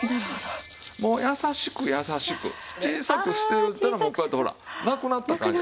もう優しく優しく小さくしていったらこうやってほらなくなったからね。